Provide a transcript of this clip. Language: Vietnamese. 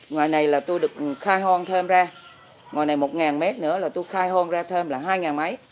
ngoài này là tôi được khai hôn thêm ra ngoài này một m nữa là tôi khai hôn ra thêm là hai mấy